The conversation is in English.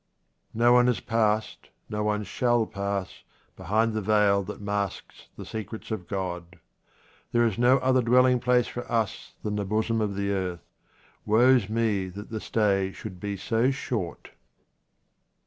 No one has passed, no one shall pass, behind the veil that masks the secrets of God. There is no other dwelling place for us than the bosom of the earth. Woe's me that the stay should be so short.